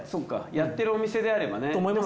やってるお店であればね。と思います。